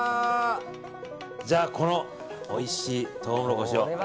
じゃあこのおいしいトウモロコシを。